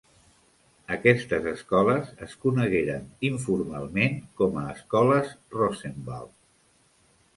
Aquestes escoles es conegueren informalment com a Escoles Rosenwald.